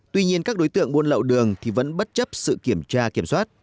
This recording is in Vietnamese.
tuy nhiên các đối tượng buồn lậu đường vẫn bất chấp sự kiểm tra kiểm soát